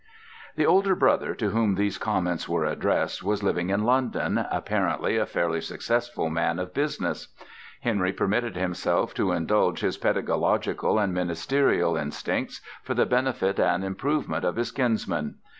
The older brother to whom these comments were addressed was living in London, apparently a fairly successful man of business. Henry permitted himself to indulge his pedagogical and ministerial instincts for the benefit and improvement of his kinsman.